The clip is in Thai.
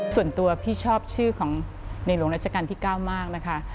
ส่วนตัวพี่ชอบชื่อของในหลวงราชการที่๙มากนะคะ